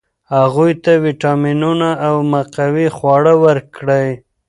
هغوی ته ویټامینونه او مقوي خواړه ورکړئ.